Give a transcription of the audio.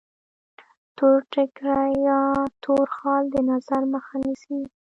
تور ټیکری یا تور خال د نظر مخه نیسي.